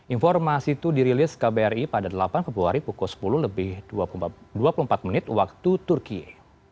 informasi itu dirilis kbri pada delapan februari pukul sepuluh lebih dua puluh empat menit waktu turkiye